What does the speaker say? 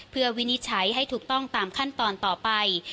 เพื่อวินิจฉัยให้ถูกต้องตามขั้นตอนต่อไป